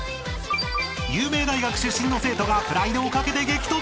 ［有名大学出身の生徒がプライドを懸けて激突］